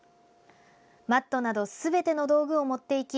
マットなどすべての道具を持っていき